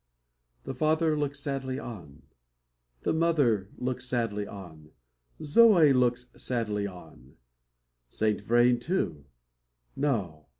The father looks sadly on; the mother looks sadly on; Zoe looks sadly on; Saint Vrain, too. No!